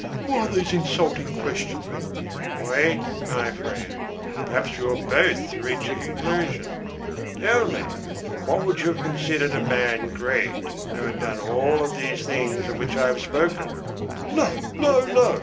Why these insulting questions?" "Wait, my friend. Perhaps we will both reach a conclusion. Tell me, would you have considered a man great who had done all these things of which I have spoken?" "No, no, no!